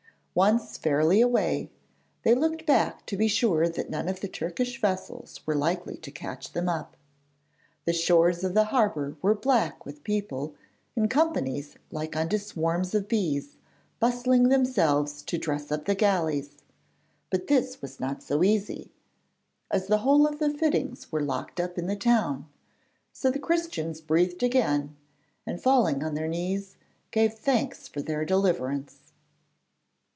Once fairly away, they looked back to be sure that none of the Turkish vessels were likely to catch them up. The shores of the harbour were black with people, 'in companies like unto swarms of bees, bustling themselves to dress up the galleys.' But this was not so easy, as the whole of the fittings were locked up in the town. So the Christians breathed again, and, falling on their knees, gave thanks for their deliverance.